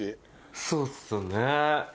そうっすよね。